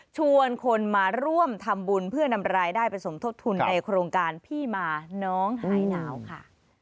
ชวนคนมาร่วมทำบุญเพื่อนำรายได้ไปสมทบทุนในโครงการพี่มาน้องหายหนาวค่ะ